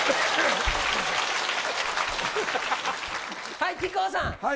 はい、木久扇さん。